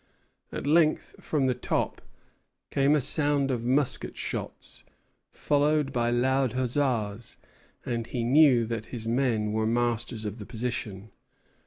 At length from the top came a sound of musket shots, followed by loud huzzas, and he knew that his men were masters of the position.